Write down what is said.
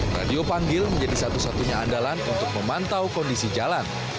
radio panggil menjadi satu satunya andalan untuk memantau kondisi jalan